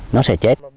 nó sẽ chết